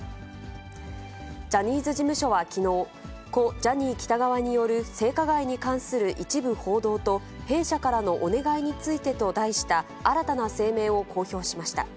ジャニーズ事務所はきのう、故・ジャニー喜多川による性加害に関する一部報道と弊社からのお願いについてと題した新たな声明を公表しました。